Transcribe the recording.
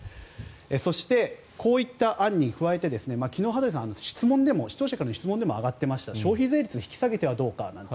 そして、こういった案に加えて昨日、羽鳥さん視聴者からの質問でも上がっていました消費税率を引き下げてはどうかと。